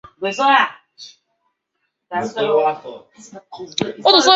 战争爆发的最终原因是俄罗斯扩张到东南部的野心和波斯的暂时性混乱。